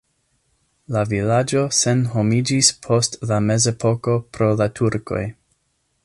La vilaĝo senhomiĝis post la mezepoko pro la turkoj.